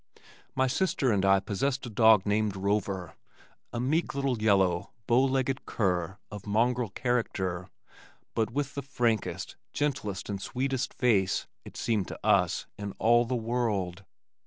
My sister and I possessed a dog named Rover, a meek little yellow, bow legged cur of mongrel character, but with the frankest, gentlest and sweetest face, it seemed to us, in all the world.